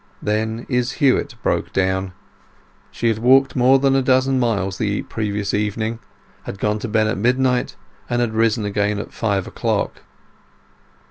Then Izz Huett broke down. She had walked more than a dozen miles the previous evening, had gone to bed at midnight, and had risen again at five o'clock.